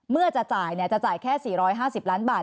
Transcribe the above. เมื่อจะจ่ายจะจ่ายแค่๔๕๐ล้านบาท